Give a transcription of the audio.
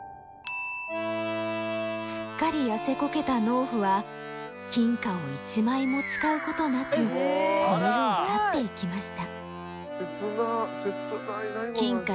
すっかり痩せこけた農夫は金貨を一枚も使うことなくこの世を去っていきました。